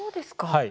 はい。